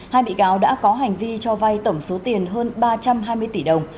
hai bị cáo đã có hành vi cho vay tổng số tiền hơn ba trăm hai mươi tỷ đồng